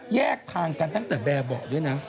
แยกทางกันตั้งแต่แบบเบาะด้วยนะ